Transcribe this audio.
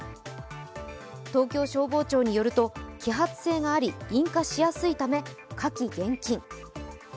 東京消防庁によると、揮発性があり引火しやすいため火気厳禁。